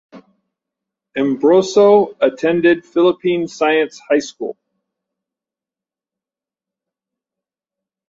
Ambrosio attended Philippine Science High School.